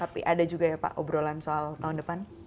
tapi ada juga ya pak obrolan soal tahun depan